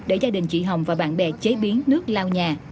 để gia đình chị hồng và bạn bè chế biến nước lao nhà